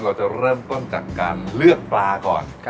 เราจะเริ่มต้นจากการเลือกปลาก่อน